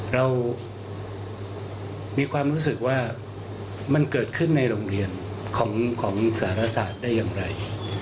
เรามีความรู้สึกว่ามันเกิดขึ้นในโรงเรียนของสารศาสตร์ได้อย่างไร